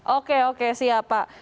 oke oke siap pak